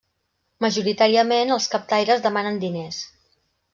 Majoritàriament, els captaires demanen diners.